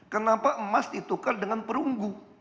kenapa emas ditukar dengan perunggu